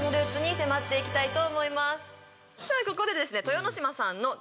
さぁここでですね。